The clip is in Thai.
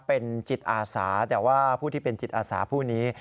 เป็นจิตอาสาแต่ว่าผู้ที่เป็นจิตอาสาผู้นี้